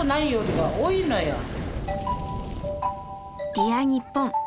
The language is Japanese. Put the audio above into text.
「Ｄｅａｒにっぽん」